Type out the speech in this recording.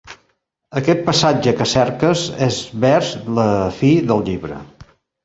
Aquest passatge que cerques és vers la fi del llibre.